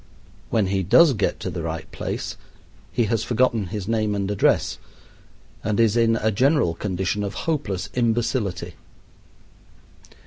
When he does get to the right place he has forgotten his name and address and is in a general condition of hopeless imbecility.